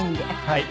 はい。